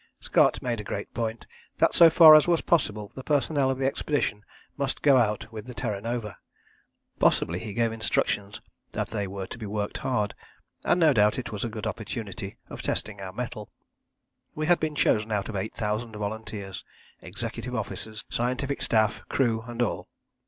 Scott made a great point that so far as was possible the personnel of the expedition must go out with the Terra Nova. Possibly he gave instructions that they were to be worked hard, and no doubt it was a good opportunity of testing our mettle. We had been chosen out of 8000 volunteers, executive officers, scientific staff, crew, and all.